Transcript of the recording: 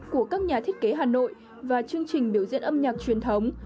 của các nhà thiết kế hà nội và chương trình biểu diễn âm nhạc truyền thống